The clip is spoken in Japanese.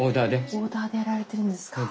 オーダーでやられてるんですか。